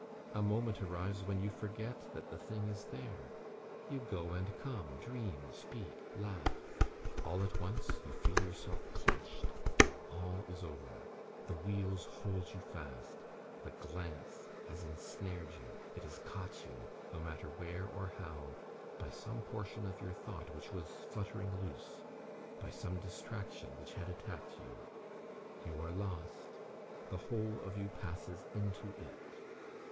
A moment arrives when you forget that the thing is there. You go and come, dream, speak, laugh. All at once you feel yourself clutched; all is over. The wheels hold you fast, the glance has ensnared you. It has caught you, no matter where or how, by some portion of your thought which was fluttering loose, by some distraction which had attacked you. You are lost. The whole of you passes into it.